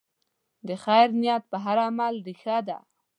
د خیر نیت د هر عمل ریښه ده.